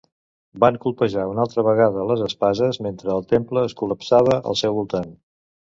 Van colpejar una altra vegada les espases mentre el temple es col·lapsava al seu voltant.